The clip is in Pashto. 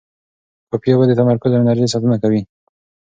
کافي اوبه د تمرکز او انرژۍ ساتنه کوي.